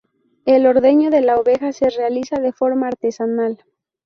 El ordeño de la oveja se realiza de forma artesanal.